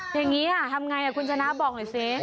แม่ยังงี้อ่ะทำไงอ่ะคุณชนะบอกหน่อยสิ